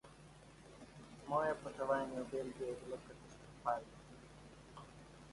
Moje potovanje v Belgijo je bilo katastrofalno.